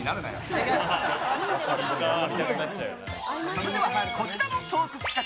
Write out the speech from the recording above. それでは、こちらのトーク企画